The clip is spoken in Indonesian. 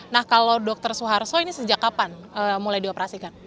nah kalau dr suharto ini sejak kapan mulai dioperasikan